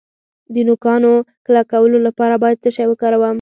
د نوکانو کلکولو لپاره باید څه شی وکاروم؟